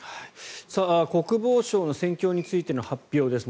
国防省の戦況についての発表です。